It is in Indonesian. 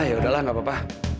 yaudah gak apa apa